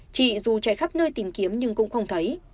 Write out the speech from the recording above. chị dù chạy khắp nơi tìm kiếm nhưng cũng không thấy